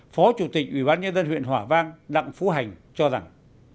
phó chủ tịch ủy ban nhân dân huyện hòa vang đặng phú hành cho rằng